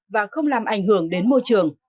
và không làm ảnh hưởng đến môi trường